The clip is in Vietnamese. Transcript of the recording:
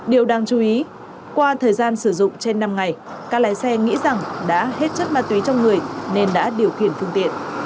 điều đáng chú ý qua thời gian sử dụng trên năm ngày các lái xe nghĩ rằng đã hết chất ma túy trong người nên đã điều khiển phương tiện